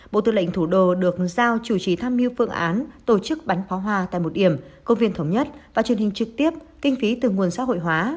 bộ tư lệnh thủ đô được giao chủ trì tham mưu phương án tổ chức bắn pháo hoa tại một điểm công viên thống nhất và truyền hình trực tiếp kinh phí từ nguồn xã hội hóa